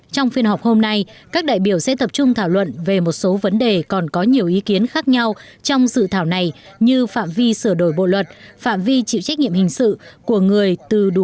trong phiên họp hôm nay các đại biểu sẽ tập trung thảo luận về một số vấn đề còn có nhiều ý kiến khác nhau trong dự thảo này như phạm vi sửa đổi bộ luật phạm vi chịu trách nhiệm hình sự của người từ đủ